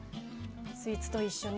スイーツと一緒に。